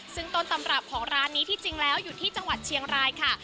ซึ่งต้นตำรับของร้านนี้ที่จริงแล้วอยู่ที่จังหวัดเชียงรายค่ะ